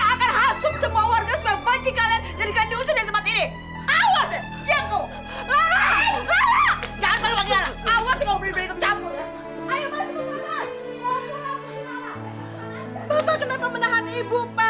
awas ya kamu berdua berdua itu campur